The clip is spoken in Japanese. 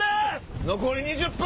残り２０分！